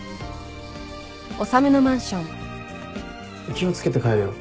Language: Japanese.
気を付けて帰れよ。